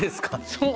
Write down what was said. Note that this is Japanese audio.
そう。